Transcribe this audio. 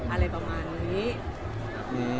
อะไรประมาณนี้